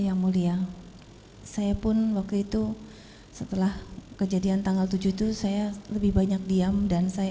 yang mulia saya pun waktu itu setelah kejadian tanggal tujuh itu saya lebih banyak diam dan saya